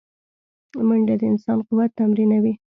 منډه د انسان قوت تمرینوي